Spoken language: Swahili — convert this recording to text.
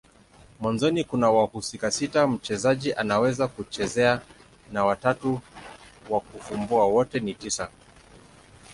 Mwanzoni kuna wahusika sita mchezaji anaweza kuchezea na watatu wa kufumbua. Wote ni tisa.